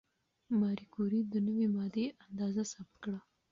ماري کوري د نوې ماده اندازه ثبت کړه.